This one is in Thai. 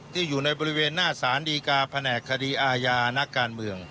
ที่อยู่ในบริเวณหน้าสารดีกาแผนกคดีอาญานักการเมือง